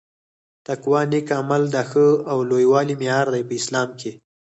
تقوا نيک عمل د ښه او لووالي معیار دي په اسلام کي